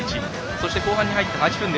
そして後半に入って８分。